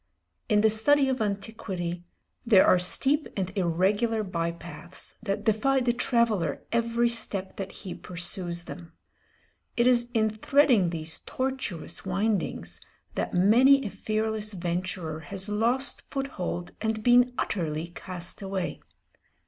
In the study of antiquity there are steep and irregular by paths that defy the traveller every step that he pursues them. It is in threading these tortuous windings that many a fearless venturer has lost foot hold and been utterly cast away.